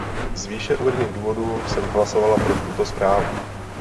Z výše uvedených důvodů jsem hlasovala pro tuto zprávu.